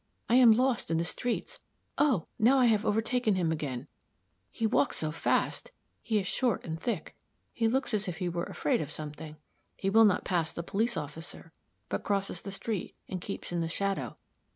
I am lost in the streets. Oh! now I have overtaken him again; he walks so fast he is short and thick he looks as if he were afraid of something. He will not pass the police officer, but crosses the street, and keeps in the shadow.